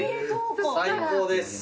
最高です。